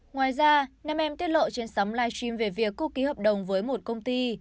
ngoài ra nam em tiết lộ trên sóng live stream về việc cô ký hợp đồng với một công ty